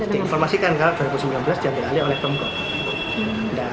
kita informasikan kalau dua ribu sembilan belas jadinya alih oleh pemkot